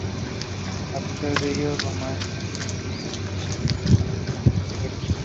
A pesar de ello Romanones mantuvo la convocatoria.